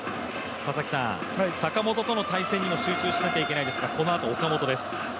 坂本との対戦にも集中しないといけないですがこのあと岡本です。